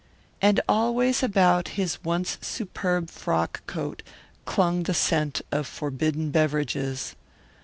And always about his once superb frock coat clung the scent of forbidden beverages.